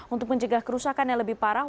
untuk mencegah kerusakan yang lebih parah